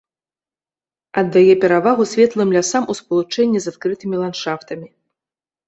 Аддае перавагу светлым лясам у спалучэнні з адкрытымі ландшафтамі.